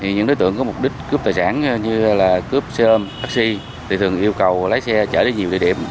những đối tượng có mục đích cướp tài sản như là cướp xe ôm taxi thì thường yêu cầu lái xe chở đi nhiều địa điểm